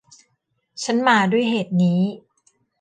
ฉันมาด้วยเหตุนี้